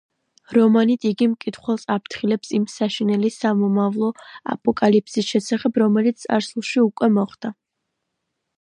რომანით იგი მკითხველს აფრთხილებს იმ საშინელი სამომავლო აპოკალიფსის შესახებ, რომელიც წარსულში უკვე მოხდა.